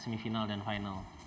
semifinal dan final